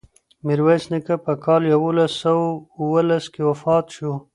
میرویس نیکه په کال یوولس سوه اوولس کې وفات شو.